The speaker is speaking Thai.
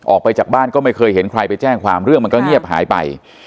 ออกไปจากบ้านก็ไม่เคยเห็นใครไปแจ้งความเรื่องมันก็เงียบหายไป